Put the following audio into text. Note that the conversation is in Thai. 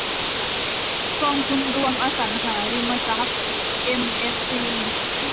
กองทุนรวมอสังหาริมทรัพย์เอ็มเอฟซี